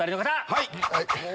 はい！